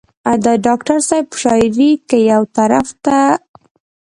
د ډاکټر صېب شاعري کۀ يو طرف ته